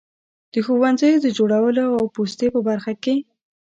د ښوونځیو د جوړولو او پوستې په برخه کې.